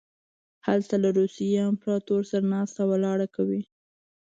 هلته له روسیې امپراطور سره ناسته ولاړه کوي.